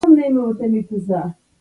ښوونکی د مور او پلار په څیر وگڼه.